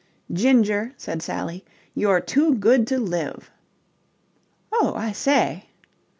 "Ginger," said Sally, "you're too good to live." "Oh, I say!"